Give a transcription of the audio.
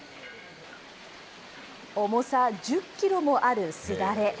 重さ１０キロもあるすだれ。